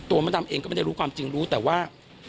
มดดำเองก็ไม่ได้รู้ความจริงรู้แต่ว่า